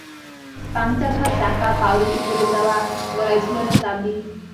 Puncture হওয়া চাকা, পাউরুটি পড়ে যাওয়া, গলায় ঝোলানো চাবি।